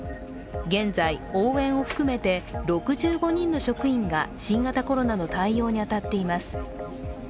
現在、応援を含めて６５人の職員が新型コロナの対応に当たっています。